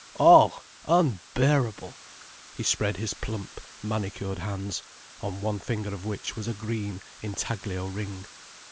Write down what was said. "Oh—unbearable!" He spread his plump, manicured hands, on one finger of which was a green intaglio ring.